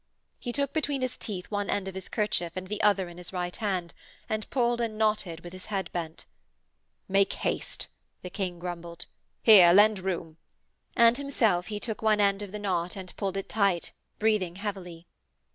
He took between his teeth one end of his kerchief and the other in his right hand, and pulled and knotted with his head bent. 'Make haste!' the King grumbled. 'Here! Lend room.' And himself he took one end of the knot and pulled it tight, breathing heavily.